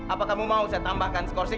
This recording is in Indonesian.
apa kamu mau saya tambahkan skorsi